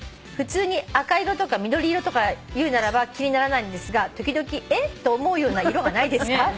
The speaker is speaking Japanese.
「普通に赤色とか緑色とかいうならば気にならないのですが時々えっ？と思うような色がないですか？」